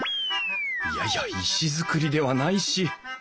いやいや石造りではないし。